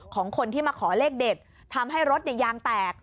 ของคนที่มาขอเลขเด็ดทำให้รถยางแตก